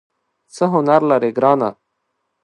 څه هنر لرې ګرانه ؟